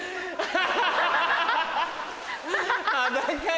ハハハ！